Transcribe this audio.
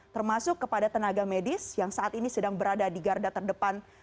termasuk kepada tenaga medis yang saat ini sedang berada di garda terdepan